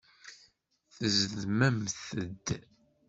Tezdmemt-d.